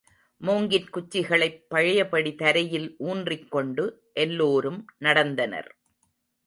மூங்கிற் குச்சிகளைப் பழையபடி தரையில் ஊன்றிக்கொண்டு எல்லோரும் நடந்தனர்.